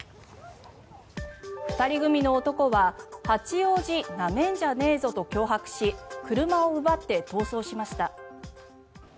２人組の男は八王子なめんじゃねえぞと脅迫し車を奪って逃走しました。